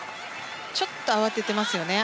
ちょっと慌ててますよね。